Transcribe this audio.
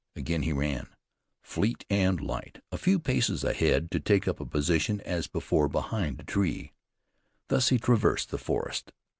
Again he ran, fleet and light, a few paces ahead to take up a position as before behind a tree. Thus he traversed the forest.